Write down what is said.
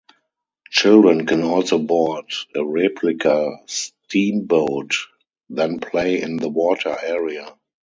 Children can also board a replica steam boat, then play in the water area.